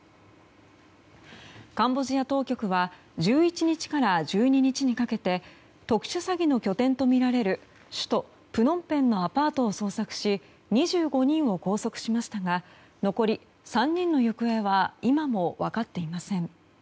カンボジア当局は１１日から１２日にかけて特殊詐欺の拠点とみられる首都プノンペンのアパートを捜索し２５人を拘束しましたが残り３人の行方は今も分かっていません。